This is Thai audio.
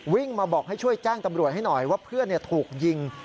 วิ่งมาบอกให้ช่วยแจ้งตำรวจให้หน่อยว่าเพื่อนถูกยิง